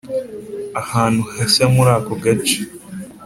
Ahantu hashya muri ako gace